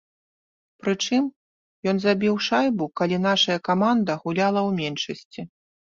Прычым ён забіў шайбу, калі нашая каманда гуляла ў меншасці.